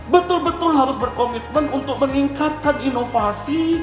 betul betul harus berkomitmen untuk meningkatkan inovasi